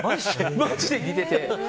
マジで似てて。